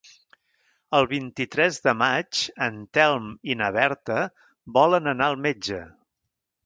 El vint-i-tres de maig en Telm i na Berta volen anar al metge.